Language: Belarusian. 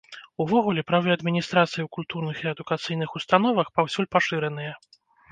Увогуле, правы адміністрацыі ў культурных і адукацыйных установах паўсюль пашыраныя.